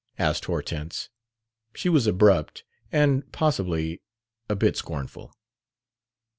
asked Hortense. She was abrupt and possibly a bit scornful.